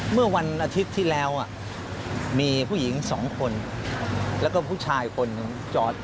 เมื่อวันอาทิตย์ที่แล้วมีผู้หญิงสองคนแล้วก็ผู้ชายคนหนึ่งจอด